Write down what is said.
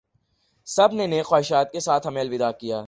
سب نے نیک خواہشات کے ساتھ ہمیں الوداع کیا